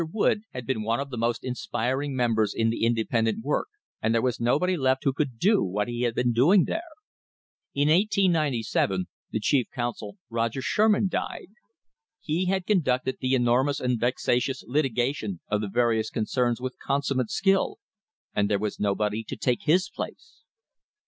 Wood had been one of the most inspiring members in the inde pendent work, and there was nobody left who could do what he had been doing there. In 1897 the chief counsel, Roger Sherman, died. He had conducted the enormous and vexa tious litigation of the various concerns with consummate skill, and there was nobody to take his place.